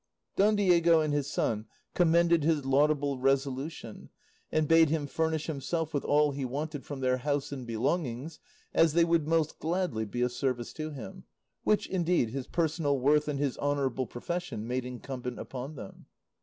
Don Diego and his son commended his laudable resolution, and bade him furnish himself with all he wanted from their house and belongings, as they would most gladly be of service to him; which, indeed, his personal worth and his honourable profession made incumbent upon them.